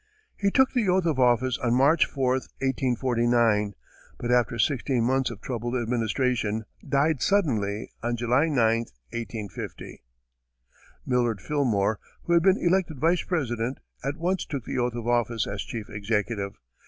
He took the oath of office on March 4, 1849, but, after sixteen months of troubled administration, died suddenly on July 9, 1850. Millard Fillmore, who had been elected Vice President, at once took the oath of office as chief executive.